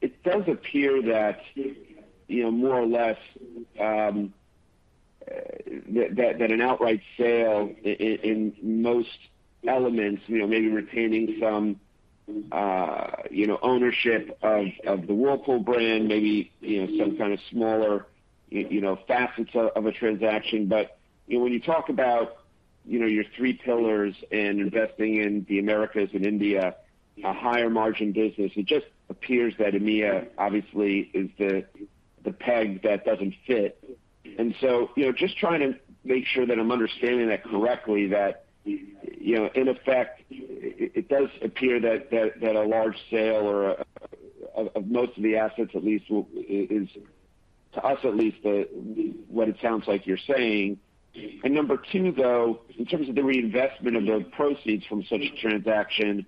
it does appear that, you know, more or less, that an outright sale in most elements, you know, maybe retaining some, you know, ownership of the Whirlpool brand, maybe, you know, some kind of smaller, you know, facets of a transaction. You know, when you talk about, you know, your three pillars and investing in the Americas and India, a higher margin business, it just appears that EMEA obviously is the peg that doesn't fit. You know, just trying to make sure that I'm understanding that correctly, that, you know, in effect, it does appear that a large sale or of most of the assets at least will, is, to us, at least what it sounds like you're saying. Number two, though, in terms of the reinvestment of the proceeds from such a transaction,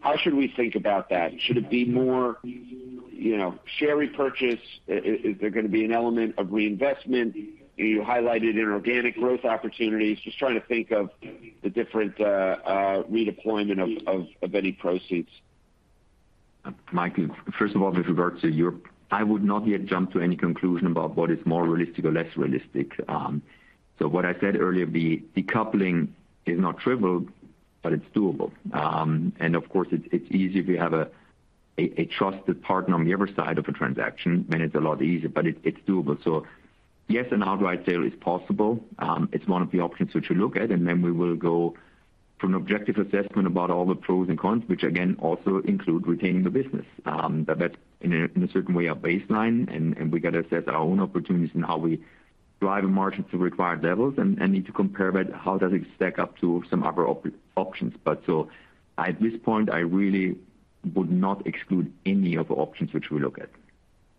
how should we think about that? Should it be more, you know, share repurchase? Is there gonna be an element of reinvestment? You highlighted inorganic growth opportunities. Just trying to think of the different redeployment of any proceeds. Michael, first of all, with regard to Europe, I would not yet jump to any conclusion about what is more realistic or less realistic. What I said earlier, the decoupling is not trivial, but it's doable. Of course, it's easy if you have a trusted partner on the other side of a transaction, then it's a lot easier, but it's doable. Yes, an outright sale is possible. It's one of the options which we look at, and then we will go from an objective assessment about all the pros and cons, which again, also include retaining the business. that in a certain way, our baseline and we got to set our own opportunities and how we drive a margin to required levels and need to compare that how does it stack up to some other options. At this point, I really would not exclude any of the options which we look at.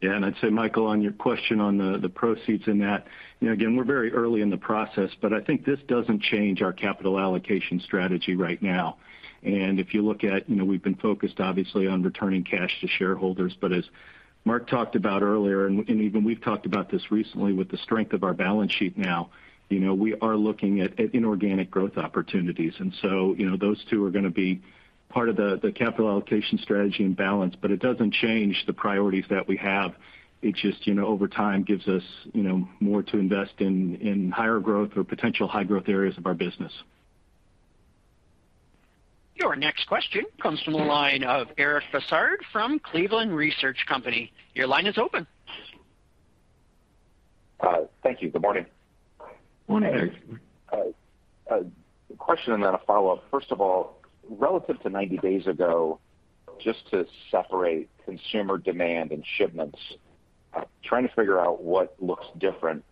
Yeah. I'd say, Michael, on your question on the proceeds in that, you know, again, we're very early in the process, but I think this doesn't change our capital allocation strategy right now. If you look at, you know, we've been focused obviously on returning cash to shareholders. As Marc talked about earlier, and even we've talked about this recently with the strength of our balance sheet now, you know, we are looking at inorganic growth opportunities, and so, you know, those two are gonna be part of the capital allocation strategy and balance. It doesn't change the priorities that we have. It just, you know, over time, gives us, you know, more to invest in higher growth or potential high growth areas of our business. Your next question comes from the line of Eric Bosshard from Cleveland Research Company. Your line is open. Thank you. Good morning. Morning, Eric. A question and then a follow-up. First of all, relative to 90 days ago, just to separate consumer demand and shipments, trying to figure out what looks different.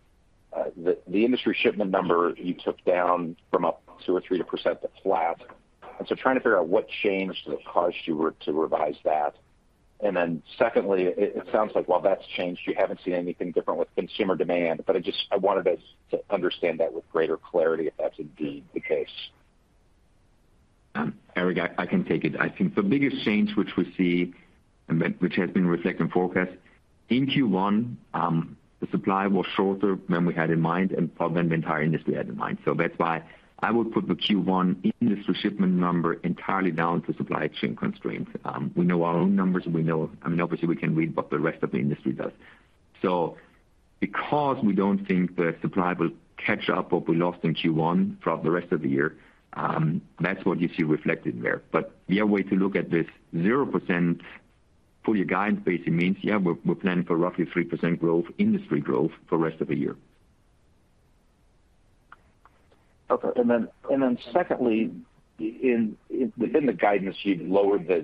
The industry shipment number you took down from up 2% or 3% to flat, and so trying to figure out what changed that caused you to revise that. Then secondly, it sounds like while that's changed, you haven't seen anything different with consumer demand, but I just wanted us to understand that with greater clarity, if that's indeed the case. Eric, I can take it. I think the biggest change which we see which has been reflected in forecast, in Q1, the supply was shorter than we had in mind and than the entire industry had in mind. That's why I would put the Q1 industry shipment number entirely down to supply chain constraints. We know our own numbers. I mean, obviously, we can read what the rest of the industry does. Because we don't think the supply will catch up what we lost in Q1 throughout the rest of the year, that's what you see reflected there. The other way to look at this 0% full year guidance basically means, yeah, we're planning for roughly 3% growth, industry growth for rest of the year. Okay. Then secondly, within the guidance, you've lowered the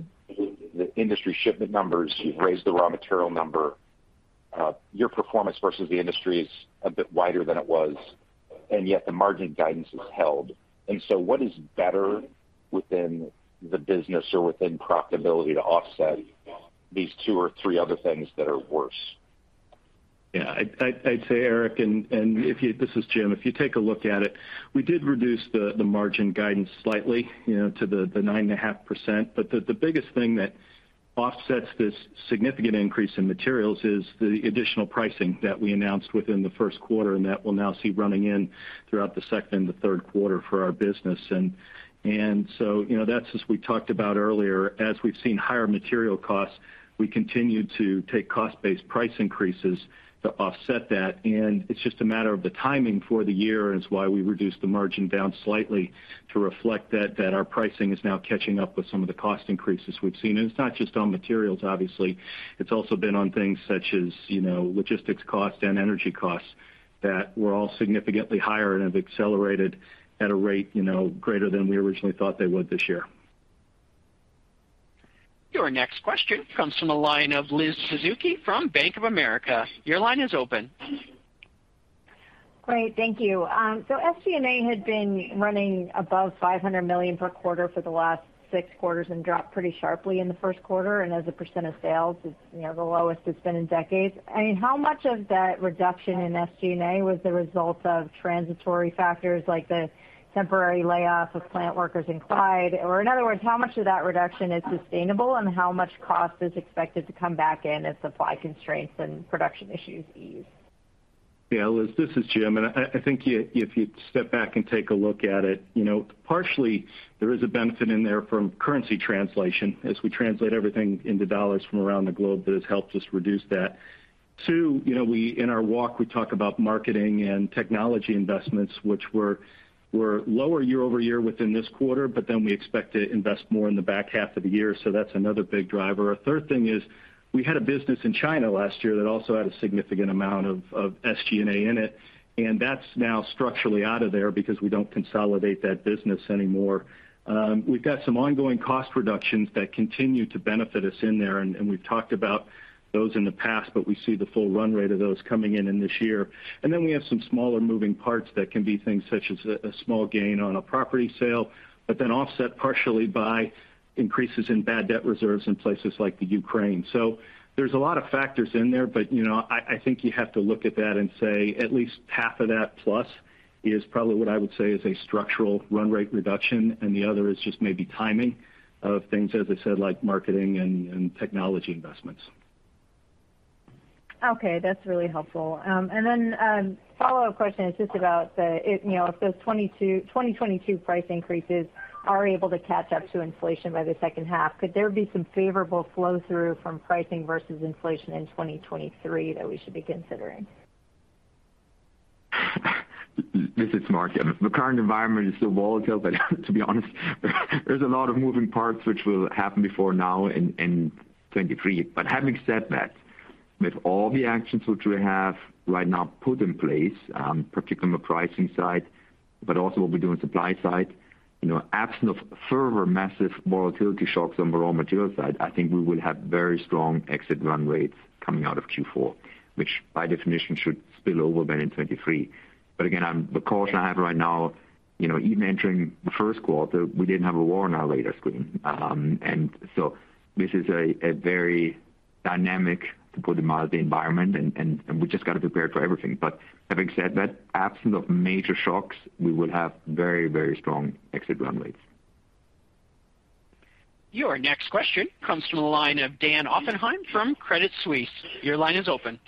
industry shipment numbers, you've raised the raw material number. Your performance versus the industry is a bit wider than it was, and yet the margin guidance is held. What is better within the business or within profitability to offset these two or three other things that are worse? Yeah. I'd say, Eric. This is Jim. If you take a look at it, we did reduce the margin guidance slightly, you know, to 9.5%. The biggest thing that offsets this significant increase in materials is the additional pricing that we announced within the first quarter, and that we'll now see running through the second, third quarter for our business. You know, that's as we talked about earlier. As we've seen higher material costs, we continue to take cost-based price increases to offset that. It's just a matter of the timing for the year, and it's why we reduced the margin down slightly to reflect that our pricing is now catching up with some of the cost increases we've seen. It's not just on materials, obviously. It's also been on things such as, you know, logistics costs and energy costs that were all significantly higher and have accelerated at a rate, you know, greater than we originally thought they would this year. Your next question comes from the line of Liz Suzuki from Bank of America. Your line is open. Great. Thank you. So SG&A had been running above $500 million per quarter for the last six quarters and dropped pretty sharply in the first quarter. As a % of sales, it's, you know, the lowest it's been in decades. I mean, how much of that reduction in SG&A was the result of transitory factors like the temporary layoff of plant workers in Clyde? In other words, how much of that reduction is sustainable and how much cost is expected to come back in as supply constraints and production issues ease? Yeah, Liz, this is Jim. I think if you step back and take a look at it, you know, partially there is a benefit in there from currency translation as we translate everything into dollars from around the globe, that has helped us reduce that. Two, you know, in our walk, we talk about marketing and technology investments, which were lower year-over-year within this quarter, but then we expect to invest more in the back half of the year. That's another big driver. A third thing is we had a business in China last year that also had a significant amount of SG&A in it, and that's now structurally out of there because we don't consolidate that business anymore. We've got some ongoing cost reductions that continue to benefit us in there, and we've talked about those in the past, but we see the full run rate of those coming in in this year. Then we have some smaller moving parts that can be things such as a small gain on a property sale, but then offset partially by increases in bad debt reserves in places like the Ukraine. There's a lot of factors in there. You know, I think you have to look at that and say at least half of that plus is probably what I would say is a structural run rate reduction. The other is just maybe timing of things, as I said, like marketing and technology investments. Okay, that's really helpful. Follow-up question is just about the, you know, if those 2022 price increases are able to catch up to inflation by the second half, could there be some favorable flow through from pricing versus inflation in 2023 that we should be considering? This is Marc. The current environment is still volatile, but to be honest, there's a lot of moving parts which will happen before now in 2023. Having said that, with all the actions which we have right now put in place, particularly on the pricing side, but also what we do on supply side, you know, absent of further massive volatility shocks on the raw material side, I think we will have very strong exit run rates coming out of Q4, which by definition should spill over then in 2023. Again, the caution I have right now, you know, even entering the first quarter, we didn't have a war on our radar screen. This is a very dynamic, to put it mildly, environment, and we just got to prepare for everything. Having said that, absent of major shocks, we will have very, very strong exit run rates. Your next question comes from the line of Dan Oppenheim from Credit Suisse. Your line is open.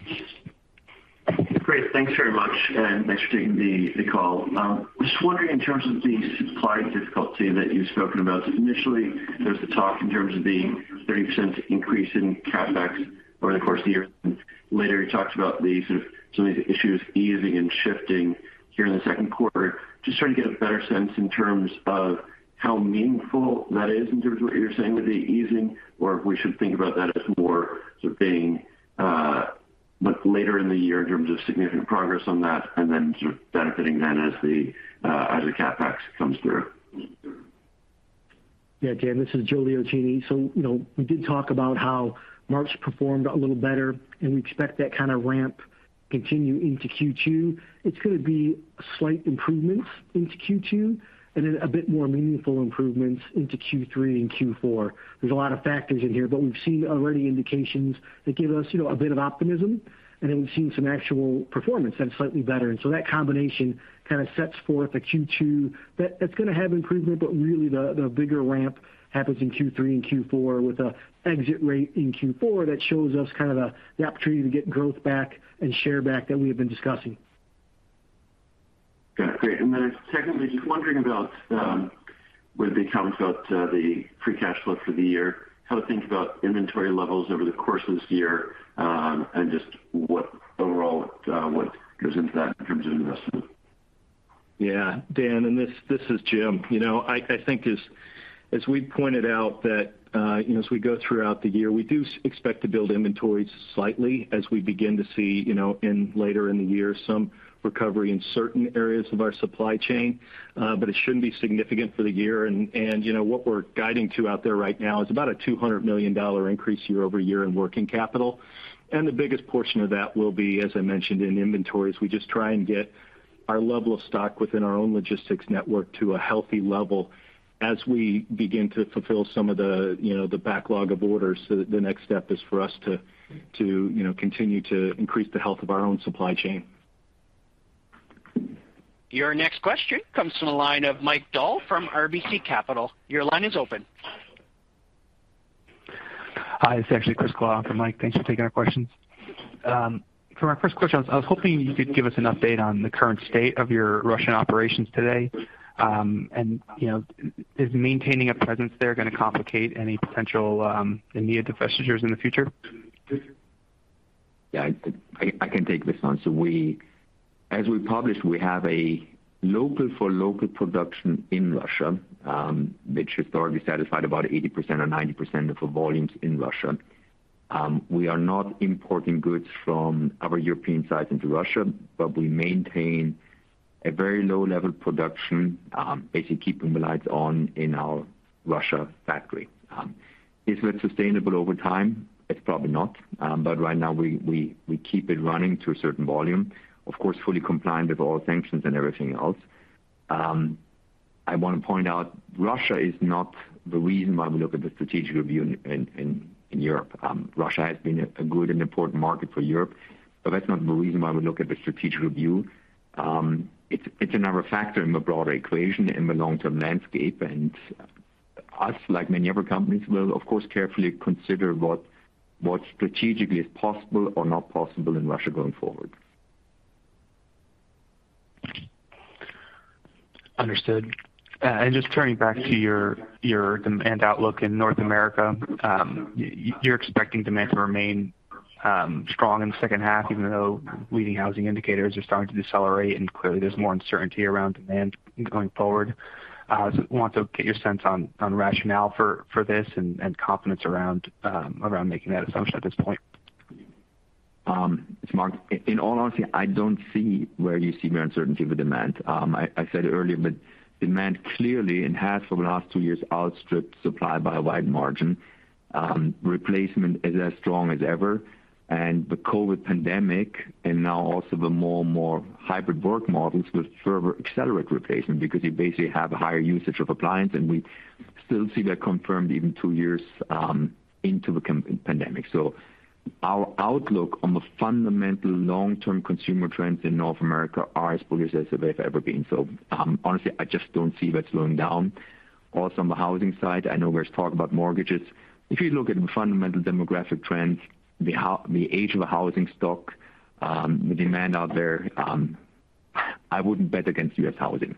Great. Thanks very much, and thanks for taking the call. Just wondering in terms of the supply difficulty that you've spoken about. Initially, there was the talk in terms of the 30% increase in CapEx over the course of the year. Later, you talked about the sort of some of the issues easing and shifting here in the second quarter. Just trying to get a better sense in terms of how meaningful that is in terms of what you're saying with the easing, or if we should think about that as more sort of being much later in the year in terms of significant progress on that and then sort of benefiting then as the CapEx comes through. Yeah. Dan, this is Joe Liotine. You know, we did talk about how March performed a little better, and we expect that kind of ramp continue into Q2. It's gonna be slight improvements into Q2 and then a bit more meaningful improvements into Q3 and Q4. There's a lot of factors in here, but we've seen already indications that give us, you know, a bit of optimism, and then we've seen some actual performance that's slightly better. That combination kind of sets forth a Q2 that's gonna have improvement. Really the bigger ramp happens in Q3 and Q4 with an exit rate in Q4 that shows us kind of the opportunity to get growth back and share back that we have been discussing. Got it. Great. Secondly, just wondering about with the comments about the free cash flow for the year, how to think about inventory levels over the course of this year, and just what overall what goes into that in terms of investment? Yeah. Dan, this is Jim. You know, I think as we pointed out that, you know, as we go throughout the year, we do expect to build inventories slightly as we begin to see, you know, later in the year, some recovery in certain areas of our supply chain. It shouldn't be significant for the year and, you know, what we're guiding to out there right now is about a $200 million increase year-over-year in working capital. The biggest portion of that will be, as I mentioned, in inventories. We just try and get our level of stock within our own logistics network to a healthy level as we begin to fulfill some of the, you know, the backlog of orders. The next step is for us to, you know, continue to increase the health of our own supply chain. Your next question comes from the line of Mike Dahl from RBC Capital. Your line is open. Hi, it's actually Chris Clarke for Mike. Thanks for taking our questions. For my first question, I was hoping you could give us an update on the current state of your Russian operations today. You know, is maintaining a presence there gonna complicate any potential immediate divestitures in the future? Yeah, I can take this one. As we published, we have a local for local production in Russia, which historically satisfied about 80% or 90% of the volumes in Russia. We are not importing goods from our European sites into Russia, but we maintain a very low-level production, basically keeping the lights on in our Russia factory. Is it sustainable over time? It's probably not. But right now we keep it running to a certain volume, of course, fully compliant with all sanctions and everything else. I wanna point out Russia is not the reason why we look at the strategic review in Europe. Russia has been a good and important market for Europe, but that's not the reason why we look at the strategic review. It's another factor in the broader equation in the long-term landscape. We, like many other companies, will of course carefully consider what strategically is possible or not possible in Russia going forward. Understood. Just turning back to your demand outlook in North America, you're expecting demand to remain strong in the second half, even though leading housing indicators are starting to decelerate, and clearly there's more uncertainty around demand going forward. I just want to get your sense on rationale for this and confidence around making that assumption at this point. It's Marc. In all honesty, I don't see where you see more uncertainty with demand. I said it earlier, but demand clearly has for the last two years outstripped supply by a wide margin. Replacement is as strong as ever. The COVID pandemic and now also the more and more hybrid work models will further accelerate replacement because you basically have higher usage of appliance, and we still see that confirmed even two years into the COVID pandemic. Our outlook on the fundamental long-term consumer trends in North America are as bullish as they've ever been. Honestly, I just don't see that slowing down. Also on the housing side, I know there's talk about mortgages. If you look at the fundamental demographic trends, the age of a housing stock, the demand out there, I wouldn't bet against U.S. housing.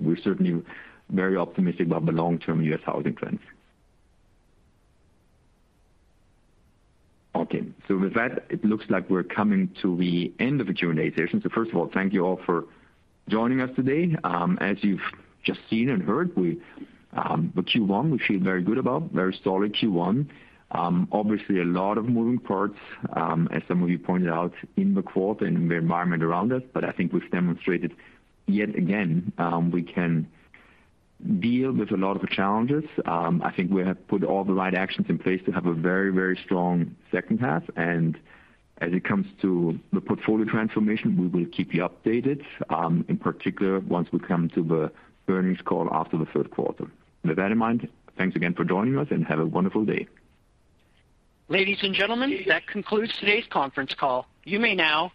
We're certainly very optimistic about the long-term U.S. housing trends. Okay. With that, it looks like we're coming to the end of the Q&A session. First of all, thank you all for joining us today. As you've just seen and heard, we, the Q1 we feel very good about, very solid Q1. Obviously a lot of moving parts, as some of you pointed out in the quarter and the environment around us, but I think we've demonstrated yet again, we can deal with a lot of the challenges. I think we have put all the right actions in place to have a very, very strong second half. As it comes to the portfolio transformation, we will keep you updated, in particular once we come to the earnings call after the third quarter. With that in mind, thanks again for joining us and have a wonderful day. Ladies and gentlemen, that concludes today's conference call. You may now disconnect.